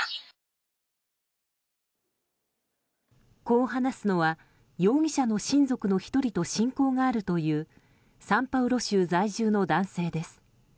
こう話すのは、容疑者の親族の１人と親交があるというサンパウロ州在住の男性です。